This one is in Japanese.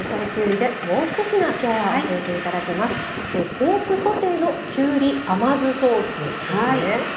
ポークソテーのきゅうり甘酢ソースですね。